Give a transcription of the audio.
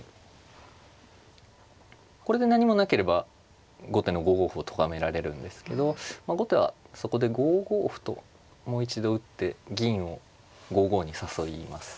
これで何もなければ後手の５五歩をとがめられるんですけど後手はそこで５五歩ともう一度打って銀を５五に誘います。